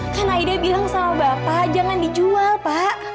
kan aida bilang sama bapak jangan dijual pak